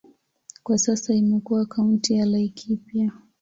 Kwa sasa imekuwa kaunti ya Laikipia.